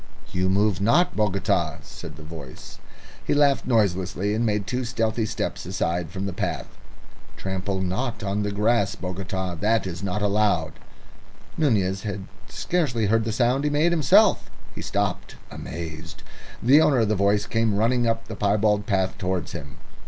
"You move not, Bogota," said the voice. He laughed noiselessly, and made two stealthy steps aside from the path. "Trample not on the grass, Bogota; that is not allowed." Nunez had scarcely heard the sound he made himself. He stopped amazed. The owner of the voice came running up the piebald path towards him.